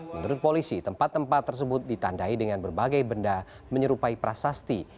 menurut polisi tempat tempat tersebut ditandai dengan berbagai benda menyerupai prasasti